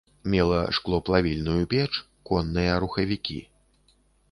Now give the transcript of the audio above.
Мела шклоплавільную печ, конныя рухавікі.